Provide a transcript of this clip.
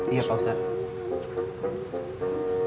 iya pak ustadz